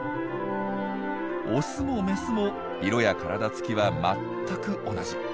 オスもメスも色や体つきは全く同じ。